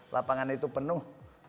lapangan itu penuh